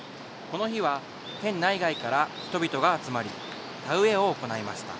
この日は県内外から人々が集まり、田植えを行いました。